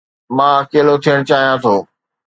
مان اڪيلو ٿيڻ چاهيان ٿو